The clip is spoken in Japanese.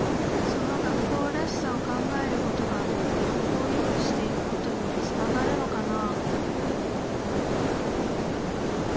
その学校らしさを考えることが学校をよくしていくことにつながるのかな？